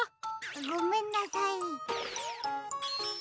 ごめんなさい。